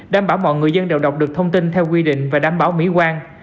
đảm bảo mọi người dân đều đọc được thông tin theo quy định và đảm bảo mỹ quan